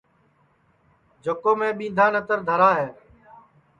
جکو میں ٻِندھا نتر دھرا ہے